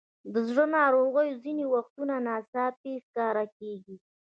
د زړه ناروغۍ ځینې وختونه ناڅاپي ښکاره کېږي.